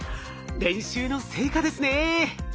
練習の成果ですね。